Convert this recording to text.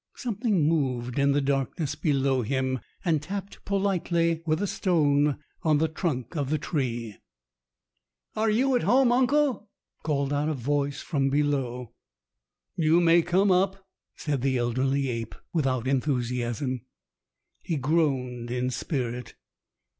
Something moved in the darkness below him and tapped politely with a stone on the trunk of the tree. "Are you at home, uncle?" called out a voice from below. "You may come up," said the elderly ape, without enthusiasm. He groaned in spirit.